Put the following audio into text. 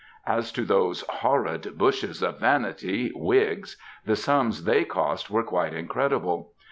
As to *^ those horrid bushes of vanity,^ wigs, the sums ihey cost were quite incredible.